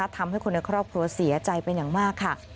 ทำให้คนในครอบครัวเสียใจเป็นอย่างมากค่ะ